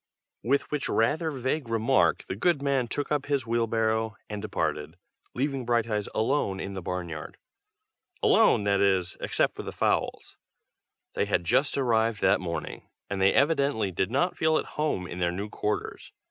With which rather vague remark the good man took up his wheelbarrow and departed, leaving Brighteyes alone in the barn yard. Alone, that is, except for the fowls. They had just arrived that morning, and they evidently did not feel at home in their new quarters.